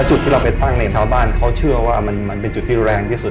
จุดที่เราไปตั้งในชาวบ้านเขาเชื่อว่ามันเป็นจุดที่แรงที่สุด